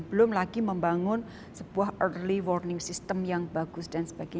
belum lagi membangun sebuah early warning system yang bagus dan sebagainya